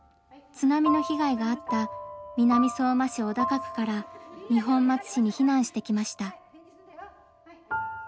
津波の被害があった南相馬市小高区から二本松市に避難してきました。